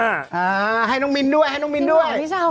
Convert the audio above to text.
หาให้น้องมินด้วยมา๑พังนี้นะหวังพี่ชาว